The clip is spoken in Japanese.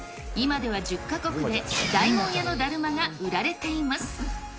今では１０か国で大門屋のだるまが売られています。